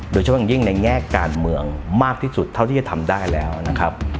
โดยเฉพาะอย่างยิ่งในแง่การเมืองมากที่สุดเท่าที่จะทำได้แล้วนะครับ